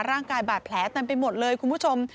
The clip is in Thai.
ร่างกายบาดแผลเต็มไปหมดเลยคุณผู้ชม